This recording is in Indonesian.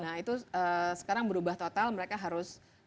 nah itu sekarang berubah total mereka harus